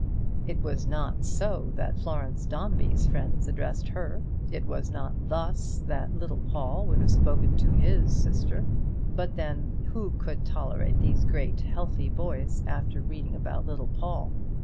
It was not so that Florence Dombey's friends addressed her. It was not thus that little Paul would have spoken to his sister; but then, who could tolerate these great healthy boys after reading about little Paul?